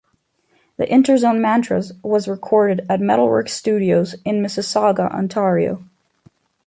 The Interzone Mantras was recorded at Metalworks Studios in Mississauga, Ontario.